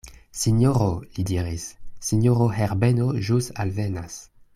Sinjoro, li diris, sinjoro Herbeno ĵus alvenas.